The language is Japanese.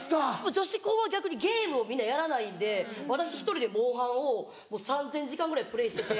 女子校は逆にゲームをみんなやらないんで私１人で『モンハン』を３０００時間ぐらいプレーしてて。